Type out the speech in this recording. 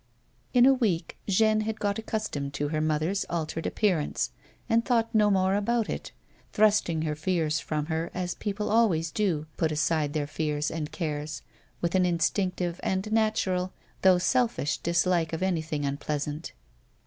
In a week Jeanne had got accustomed to her mother's altered appearance and thought no more about it, thrusting her fears from her, as people always do put aside their fears and cares, with an instinctive and natural, though selfish? dislike of anything unpleasant.